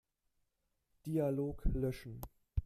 Dialog löschen.